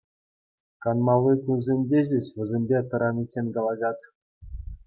Канмалли кунсенче ҫеҫ вӗсемпе тӑраниччен калаҫать.